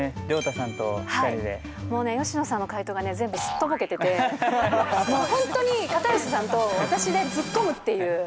涼太さんと２人もうね、吉野さんの回答が全部すっとぼけてて、本当に片寄さんと私で突っ込むっていう。